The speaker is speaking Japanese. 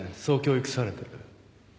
そう教育されてる。